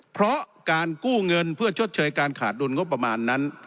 เพราะการกู้เงินเพื่อชดเชยการขาดดุลงบประมาณนั้น